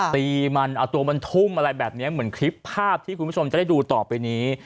ตีมันเอาตัวมันทุ่มอะไรแบบนี้เหมือนคลิปภาพที่คุณผู้ชมจะได้ดูต่อไปนี้